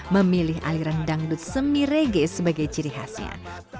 memilih aliran dangdut semi rege sebagai ciri khasnya